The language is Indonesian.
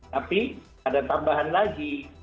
tapi ada tambahan lagi